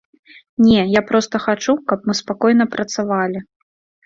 Не, я проста хачу, каб мы спакойна працавалі.